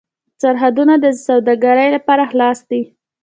سرحدونه د سوداګرۍ لپاره خلاص دي.